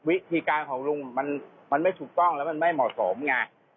วิธีการของลุงมันไม่ถูกต้องแล้วมันไม่เหมาะสมไง